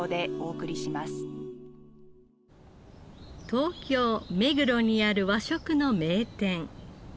東京目黒にある和食の名店。